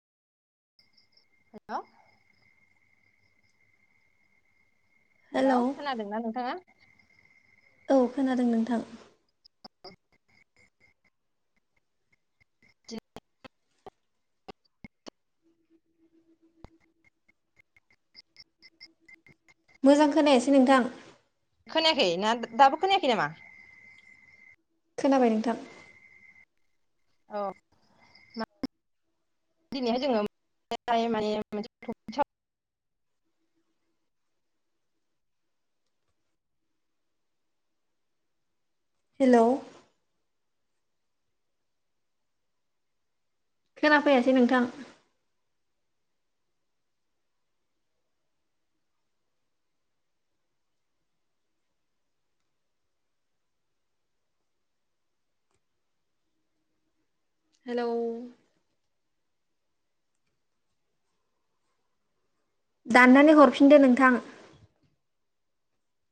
हेल' hello hello खोनादोंना नोंथांआ औ खोनादो नोंथां [unintelligible] मोजां खोनायासै नोंथां खोनायाखै ना दाबो खोनायाखै नामा खोनाबाय नोंथां अ दिनैहाय जोङो माने मोन हेलौ खोनाफैयासै नोंथां हेलौ दाननानै हरफिनदो नोंथां